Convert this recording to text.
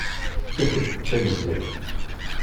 Tettas-d tanezzayt.